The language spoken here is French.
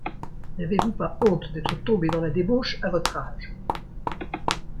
n’avez-vous pas honte d’être tombé dans la débauche à votre âge !